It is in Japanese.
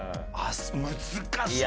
難しいよ！